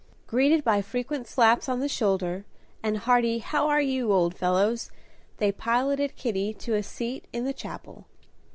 Greeted by frequent slaps on the shoulder, and hearty "How are you, old fellows," they piloted Kitty to a seat in the chapel.